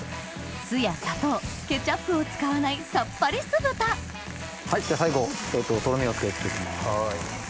酢や砂糖ケチャップを使わないサッパリ酢豚最後トロミをつけて行きます。